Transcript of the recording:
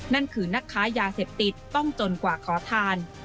นั่นคือนักค้ายาเสพติดต้องจนกว่าขอทาน